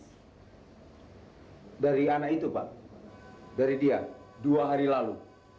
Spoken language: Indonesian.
hai dari anak itu pak dari dia dua hari lalu